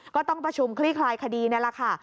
ก็ต้องประชุมคลี่คลายคดีนี่แหละค่ะ